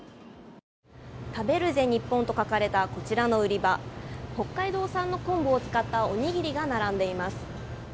食べるぜニッポンと書かれたこちらの売り場北海道産の昆布を使ったおにぎりが並んでいます。